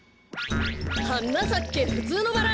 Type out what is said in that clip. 「はなさけふつうのバラ」